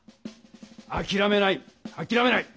あきらめないあきらめない。